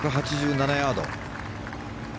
１８７ヤード。